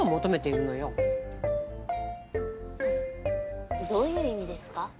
あのどういう意味ですか？